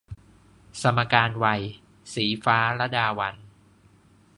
สมการวัย - ศรีฟ้า ลดาวัลย์